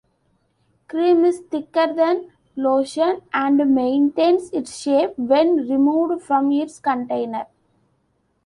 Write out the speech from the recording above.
Cream is thicker than lotion, and maintains its shape when removed from its container.